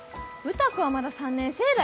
歌子はまだ３年生だよ！